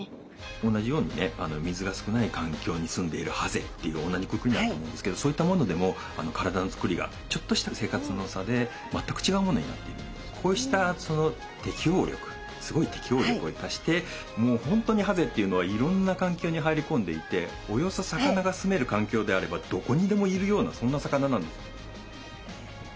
同じようにね水が少ない環境に住んでいるハゼっていう同じくくりだと思うんですけどそういったものでもこうしたその適応力すごい適応力を生かしてもう本当にハゼっていうのはいろんな環境に入り込んでいておよそ魚が住める環境であればどこにでもいるようなそんな魚なんですよ。